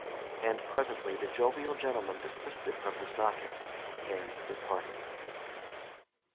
And presently the jovial gentleman desisted from his knocking and departed.